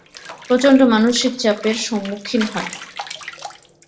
প্রচণ্ড মানসিক চাপের সম্মুখীন হয়।